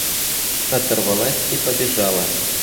Оторвалась и побежала!